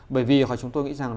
bởi vì chúng tôi nghĩ rằng